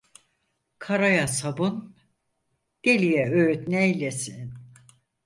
Karaya sabun, deliye öğüt neylesin.